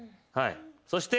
そして。